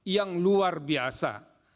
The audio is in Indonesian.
yang luar biasa